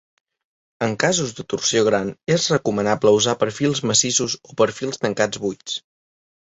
En casos de torsió gran és recomanable usar perfils massissos o perfils tancats buits.